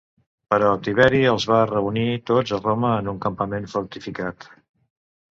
Però Tiberi els va reunir tots a Roma a un campament fortificat.